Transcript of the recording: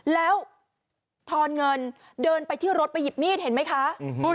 แล้วทอนเงินเดินไปที่รถไปหยิบมีดเห็นไหมคะ